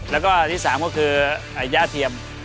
แล้วก็ที่๓ก็คือย่าเทียม